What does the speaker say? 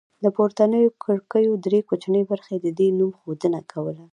د پورتنیو کړکیو درې کوچنۍ برخې د دې نوم ښودنه کوله